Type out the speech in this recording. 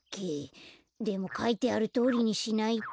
でもかいてあるとおりにしないと。